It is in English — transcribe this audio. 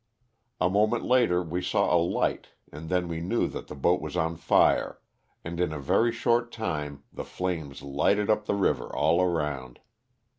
A moment later we saw a light and then we knew that the boat was on fire, and in a very short time the flames lighted up the river all around.